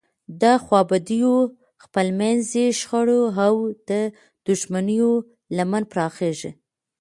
د خوابدیو، خپلمنځي شخړو او دښمنیو لمن پراخیږي.